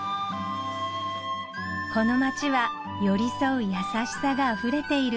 この街は寄り添う優しさがあふれている